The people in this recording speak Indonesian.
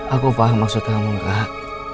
aku paham maksud kamu mbak